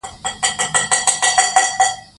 علم د انساني ژوند د ښکلا اصلي سبب دی.